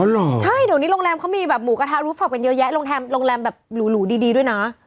ใช่เดี๋ยวนี้โรงแรมเขามีแบบหมูกระทะรูฟท็อปเป็นเยอะแยะโรงแท้โรงแรมแบบหสุดดีด้วยน่ะ